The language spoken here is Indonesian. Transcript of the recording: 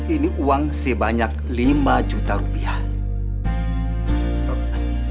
ini uang sebanyak lima juta rupiah